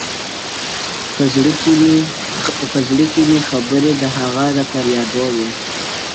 په زړه کي مي خبري د هغې د فريادي وې